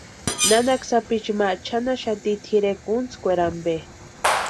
Nanaka sapi ma chʼanaxati tʼirekwa úntskweeri ampe.